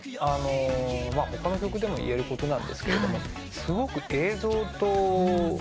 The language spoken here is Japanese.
他の曲でも言えることなんですがすごく映像と音と。